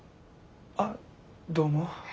あどうも。